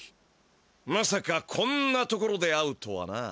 まさかこんなところで会うとはな。